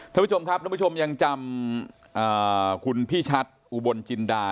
ท่านผู้ชมครับท่านผู้ชมยังจำคุณพี่ชัดอุบลจินดา